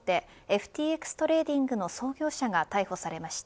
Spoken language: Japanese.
ＦＴＸトレーディングの創業者が逮捕されました。